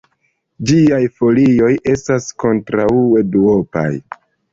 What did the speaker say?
Ĝiaj folioj estas kontraŭe duopaj.